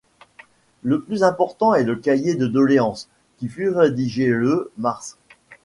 Le plus important est le cahier de doléances, qui fut rédigé le mars.